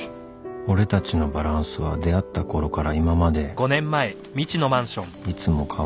俺たちのバランスは出会ったころから今までいつも変わらない